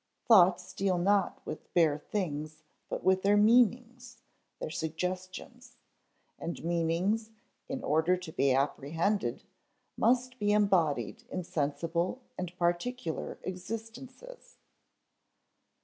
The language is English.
Thought deals not with bare things, but with their meanings, their suggestions; and meanings, in order to be apprehended, must be embodied in sensible and particular existences.